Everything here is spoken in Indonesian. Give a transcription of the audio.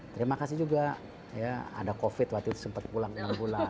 terima kasih juga ya ada covid waktu itu sempat pulang enam bulan